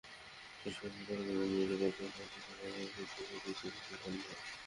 শেষ পর্যন্ত তাঁরা দুজন মিলে পারস্পরিক সমঝোতার ভিত্তিতে বিচ্ছেদের সিদ্ধান্ত নেন।